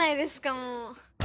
もう。